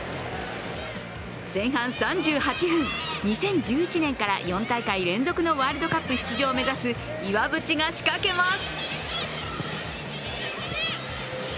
前半３８分、２０１１年から４大会連続のワールドカップ出場を目指す岩渕が仕掛けます。